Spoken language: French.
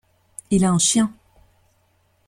Il a un chien.